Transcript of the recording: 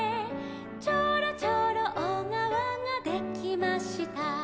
「ちょろちょろおがわができました」